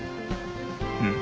うん。